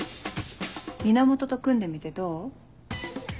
源と組んでみてどう？